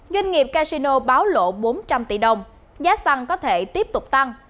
doanh nghiệp casino báo lộ bốn trăm linh tỷ đồng giá xăng có thể tiếp tục tăng